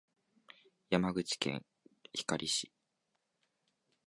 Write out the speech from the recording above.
山口県光市